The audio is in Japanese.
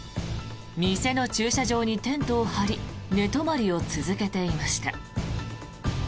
店の駐車場にテントを張り寝泊まりを続けていました。